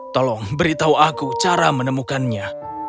tolong beritahu aku cara menemukannya